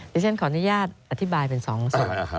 ที่ฉันขออนุญาตอธิบายเป็น๒ส่วน